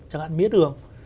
chẳng hạn mía đường